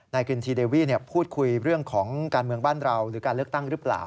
กินทีเดวี่พูดคุยเรื่องของการเมืองบ้านเราหรือการเลือกตั้งหรือเปล่า